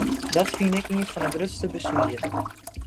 Dat fyn ik ien fan de grutste beswieren.